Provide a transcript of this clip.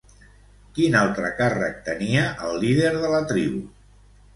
Quin altre càrrec tenia el líder de la tribu?